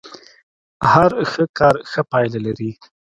هر ښه کار ښه پايله لري.